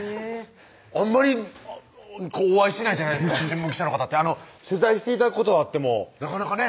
あんまりお会いしないじゃないですか新聞記者の方って取材して頂くことはあってもなかなかね